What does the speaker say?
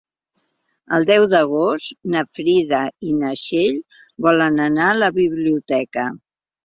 El deu d'agost na Frida i na Txell volen anar a la biblioteca.